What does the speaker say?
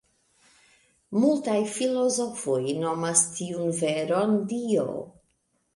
Multaj filozofoj nomas tiun veron “Dio”.